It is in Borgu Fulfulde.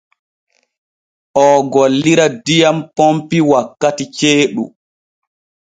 Oo gollira diyam pompi wakkati ceeɗu.